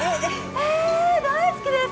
ええ大好きです